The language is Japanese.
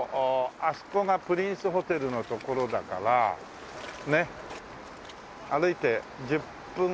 あそこがプリンスホテルの所だからねっ歩いて１０分近く来たかな。